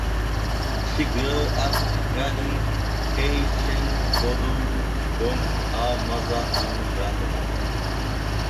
She grew up learning Haitian Vodou from her mother and grandmother.